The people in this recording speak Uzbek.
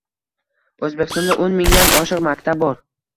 O‘zbekistonda o‘n mingdan oshiq maktab bor